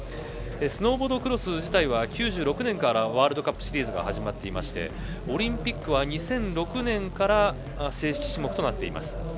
スノーボードクロス自体は９６年からワールドカップシリーズが始まってオリンピックは２００６年から正式種目となっています。